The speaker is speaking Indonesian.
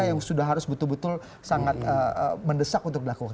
yang sudah harus betul betul sangat mendesak untuk dilakukan